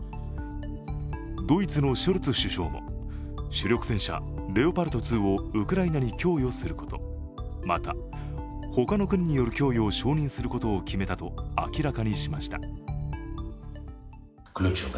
ドイツのショルツ首相も主力戦車・レオパルト２をウクライナに供与すること、また、他の国による供与を承認することを決めたと明らかにしました。